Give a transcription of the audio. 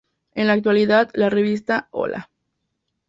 En la actualidad, la revista ¡Hola"!